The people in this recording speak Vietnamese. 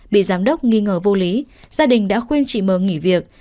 bị giám đốc nghi ngờ vô lý gia đình đã khuyên chị mờ nghỉ việc